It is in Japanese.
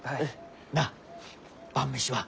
なあ晩飯は？